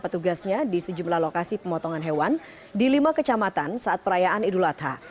petugasnya di sejumlah lokasi pemotongan hewan di lima kecamatan saat perayaan idul adha